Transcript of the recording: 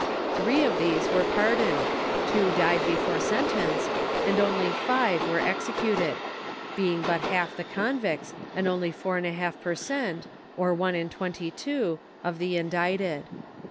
Three of these were pardoned, two died before sentence, and only/t?c were executed ; being but half the convicts, and only 4J per cent, or one in twenty twOy of the in dicted.